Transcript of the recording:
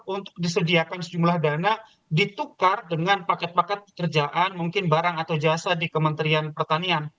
untuk disediakan sejumlah dana ditukar dengan paket paket pekerjaan mungkin barang atau jasa di kementerian pertanian